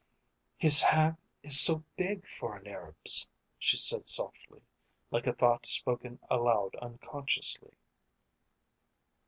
"His hand is so big for an Arab's," she said softly, like a thought spoken aloud unconsciously.